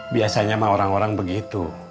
biasanya mah orang orang begitu